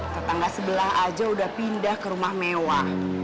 tetangga sebelah aja udah pindah ke rumah mewah